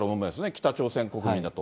北朝鮮国民だと。